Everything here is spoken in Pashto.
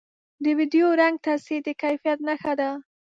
د ویډیو رنګ تصحیح د کیفیت نښه ده